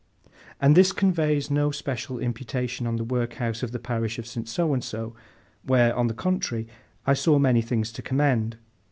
And this conveys no special imputation on the workhouse of the parish of St. So and So, where, on the contrary, I saw many things to commend.